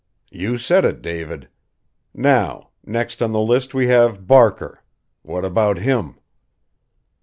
"You said it, David. Now, next on the list we have Barker. What about him?"